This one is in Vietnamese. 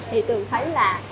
thì tường thấy là